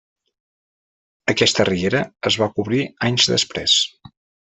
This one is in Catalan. Aquesta riera es va cobrir anys després.